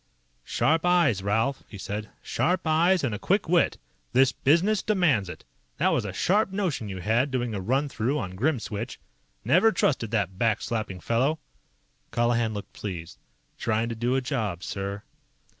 "Sharp eyes, Ralph," he said. "Sharp eyes and a quick wit. This business demands it. That was a sharp notion you had, doing a run through on Grimswitch. Never trusted that back slapping fellow." Colihan looked pleased. "Trying to do a job, sir."